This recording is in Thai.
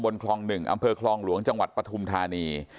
คลอง๑อำเภอคลองหลวงจังหวัดปฐุมธานี